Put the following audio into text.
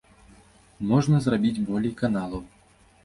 Можна зрабіць болей каналаў.